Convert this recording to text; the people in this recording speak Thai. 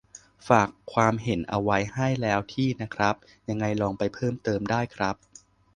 ฝากความเห็นเอาไว้ให้แล้วที่ นะครับ : ยังไงลองไปเพิ่มเติมได้ครับ